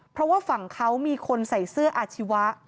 เพราะว่าฝั่งเขามีคนใส่เสื้ออาชีวะ